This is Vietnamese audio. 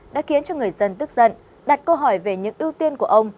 đã khiến cho người dân tức giận đặt câu hỏi về những ưu tiên của ông